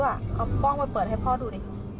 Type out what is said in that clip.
เอากล้องมาเปิดให้พ่อดูดิ